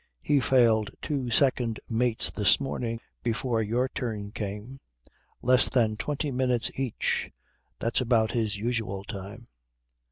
He failed two second mates this morning before your turn came. Less than twenty minutes each: that's about his usual time."